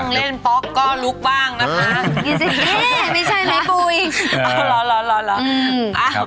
จะนั่งเล่นป๊อกก็ลุกบ้างนะครับเฮ้ยไม่ใช่ไหมปุ๋ยเอ้าหรอหรอหรออืมครับ